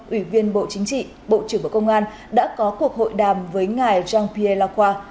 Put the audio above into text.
ủy viên bộ chính trị bộ trưởng bộ công an đã có cuộc hội đàm với ngài jean pierre lacro